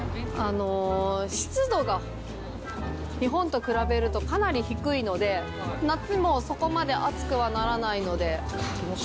湿度が日本と比べるとかなり低いので、夏もそこまで暑くはならないので。